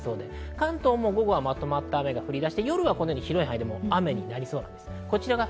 関東も午後に雨が降り出して、夜は広い範囲で雨になりそうです。